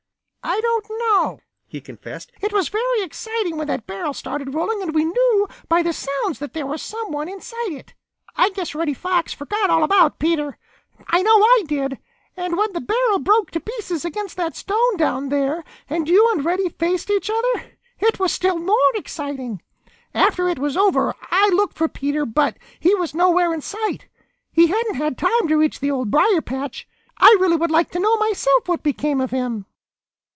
"I don't know," he confessed. "You see, it was very exciting when that barrel started rolling, and we knew by the sounds that there was some one inside it. I guess Reddy Fox forgot all about Peter. I know I did. And when the barrel broke to pieces against that stone down there, and you and Reddy faced each other, it was still more exciting. After it was over, I looked for Peter, but he was nowhere in sight. He hadn't had time to reach the Old Briar patch. I really would like to know myself what became of him."